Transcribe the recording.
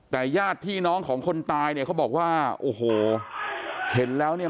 แต่ญาติพี่น้องของคนตายเนี่ยเขาบอกว่าโอ้โหเห็นแล้วเนี่ย